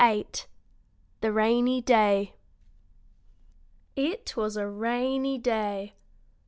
VIII THE RAINY DAY It was a rainy day.